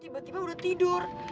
tiba tiba udah tidur